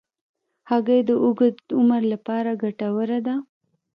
هګۍ د اوږد عمر لپاره ګټوره ده.